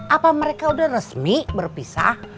apa mereka sudah resmi berpisah